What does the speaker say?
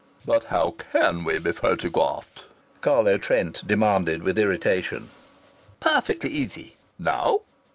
"But how can we be photographed?" Carlo Trent demanded with irritation. "Perfectly easy." "Now?"